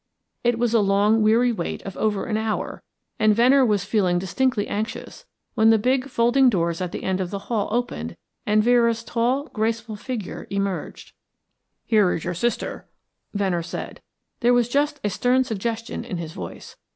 It was a long weary wait of over an hour, and Venner was feeling distinctly anxious, when the big folding doors at the end of the hall opened and Vera's tall, graceful figure emerged. "Here is your sister," Venner said. There was just a stern suggestion in his voice.